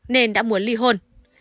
nên đã muốn ly hôn